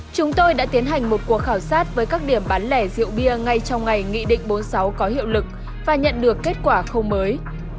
chúng tôi đã tiến hành một cuộc khảo sát với các điểm bán lẻ rượu bia ngay trong ngày nghị định bốn mươi sáu có hiệu lực và nhận được kết quả không mới